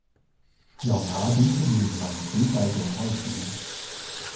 由雅典出現民主制度開始